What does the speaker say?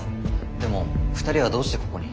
でも２人はどうしてここに？